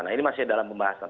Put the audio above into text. nah ini masih dalam pembahasan